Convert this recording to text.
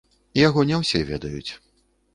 Яго не ўсе ведаюць.